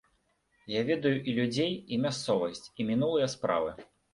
Я ведаю і людзей, і мясцовасць, і мінулыя справы.